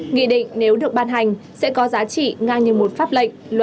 nghị định nếu được ban hành sẽ có giá trị ngang như một pháp lệnh